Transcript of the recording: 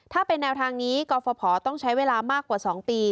ถ้าเป็นแนวทางนี้กรฟภต้องใช้เวลามากกว่า๒ปี